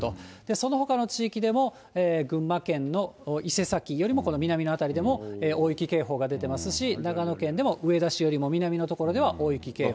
そのほかの地域でも、群馬県の伊勢崎よりもこの南の辺りでも大雪警報が出てますし、長野県でも上田市よりも南の所では大雪警報。